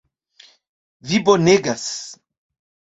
Vi bonegas!